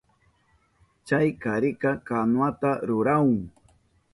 Chay karika kanuwata rurahun.